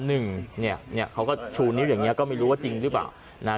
เนี่ยเขาก็ชูนิ้วอย่างเนี่ยก็ไม่รู้ว่าจริงหรือเปล่า